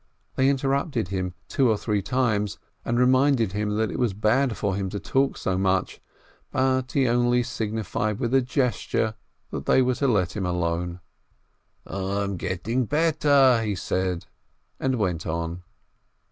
They interrupted him two or three times, and reminded him that it was bad for him to talk so much. But he only signified with a gesture that they were to let him alone. "I am getting better," he said, and went on.